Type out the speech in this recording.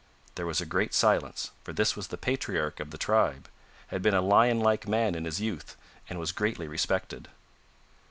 There was a great silence, for this was the patriarch of the tribe; had been a lion like man in his youth, and was greatly respected.